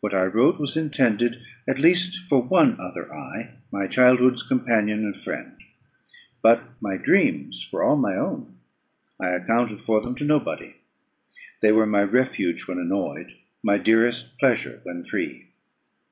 What I wrote was intended at least for one other eye my childhood's companion and friend; but my dreams were all my own; I accounted for them to nobody; they were my refuge when annoyed my dearest pleasure when free.